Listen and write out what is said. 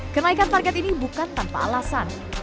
kenaikan target ini bukan tanpa alasan